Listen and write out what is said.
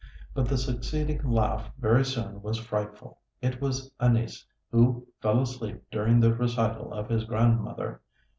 But the succeeding laugh very soon was frightful: it was Anis, who fell asleep during the recital of his grandmother.